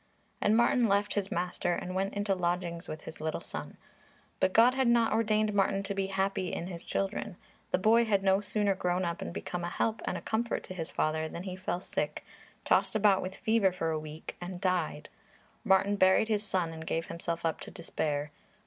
And Martin left his master and went into lodgings with his little son. But God had not ordained Martin to be happy in his children. The boy had no sooner grown up and become a help and a comfort to his father than he fell sick, tossed about with fever for a week and died. Martin buried his son and gave himself up to despair.